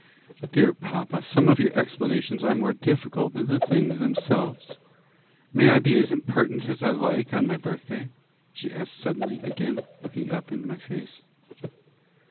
"Dear papa, some of your explanations are more difficult than the things themselves. May I be as impertinent as I like on my birthday?" she asked suddenly, again looking up in my face.